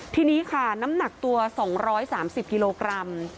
ทีนี้ค่ะน้ำหนักตัว๒๓๐กิโลกรัม